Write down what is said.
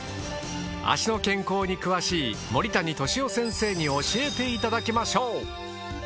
脚の健康に詳しい森谷敏夫先生に教えていただきましょう。